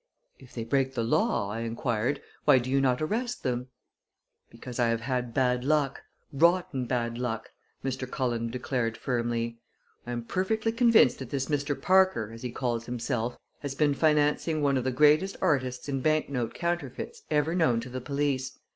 "If they break the law," I inquired, "why do you not arrest them?" "Because I have had bad luck rotten bad luck!" Mr. Cullen declared firmly. "I am perfectly convinced that this Mr. Parker, as he calls himself, has been financing one of the greatest artists in banknote counterfeits ever known to the police.